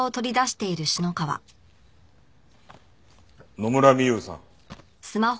野村美夕さん。